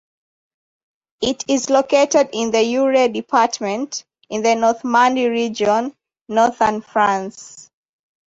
It is located in the Eure department, in the Normandy region, northern France.